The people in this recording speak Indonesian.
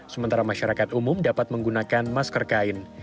sementara masyarakat umum dapat menggunakan masker kain